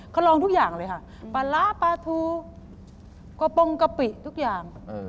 เขาลองทุกอย่างเลยค่ะปลาร้าปลาทูกระปงกะปิทุกอย่าง